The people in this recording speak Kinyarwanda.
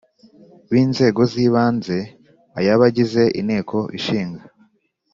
b Inzego z ibanze ay abagize Inteko Ishinga